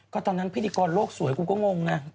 ก็ตอนนั้นพิธีกรโลกสวยคุณก็งงไง